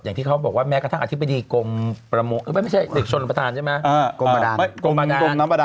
อย่างที่เขาบอกว่าแม้กระทั่งอธิบดีกรมประมงไม่ใช่เด็กชนประธานใช่ไหม